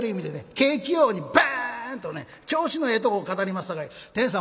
景気ようにバーンとね調子のええとこ語りますさかい天さん